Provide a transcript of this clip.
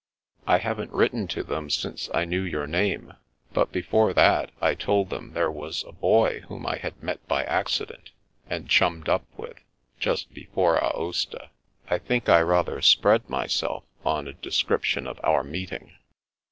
" "I haven't written to them since I knew your name, but before that, I told them there was a boy whom I had met by accident and chummed up with, just before Aosta. I think I rather spread m3rself on a description of our meeting."